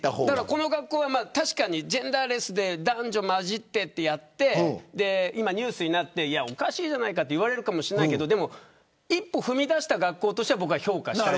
この学校がジェンダーレスで男女交じってやってニュースになって、おかしいと言われるかもしれないけど一歩踏み出した学校としては評価したい。